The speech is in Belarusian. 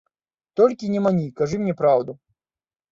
Толькі не мані, кажы мне праўду.